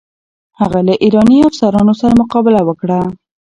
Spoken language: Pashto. هغه له ایراني افسرانو سره مقابله وکړه.